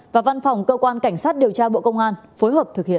và văn phòng cơ quan cảnh sát điều tra bộ công an phối hợp thực hiện